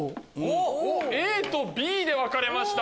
ＡとＢで分かれました。